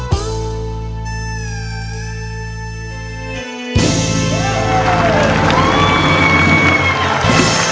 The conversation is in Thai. เรื่องรักนะครับ